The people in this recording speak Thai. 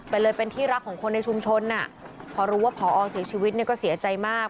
แต่เลยเป็นที่รักของคนในชุมชนอ่ะพอรู้ว่าพอเสียชีวิตเนี่ยก็เสียใจมาก